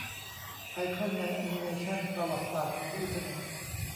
ไอคอนใน แอนิเมชัน "ประวัติศาสตร์ของอินเทอร์เน็ต"